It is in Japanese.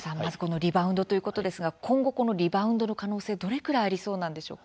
リバウンドということですが今後、リバウンドの可能性はどのくらいありそうなんでしょうか。